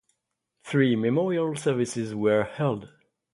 Three memorial services were held.